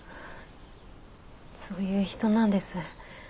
そういう人なんです。